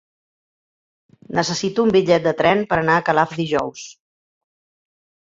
Necessito un bitllet de tren per anar a Calaf dijous.